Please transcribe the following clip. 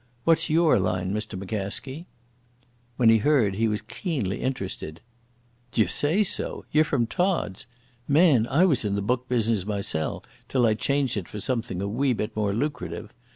What's your line, Mr McCaskie?" When he heard he was keenly interested. "D'ye say so? Ye're from Todd's! Man, I was in the book business mysel', till I changed it for something a wee bit more lucrative.